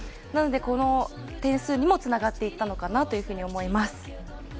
なので、この点数にもつながっていったのかなと思います。